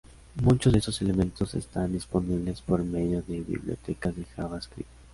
Muchos de estos elementos están disponibles por medio de bibliotecas de JavaScript.